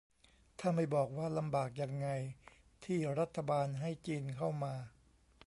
ถ้าไม่บอกว่าลำบากยังไง ที่รัฐบาลให้จีนเข้ามา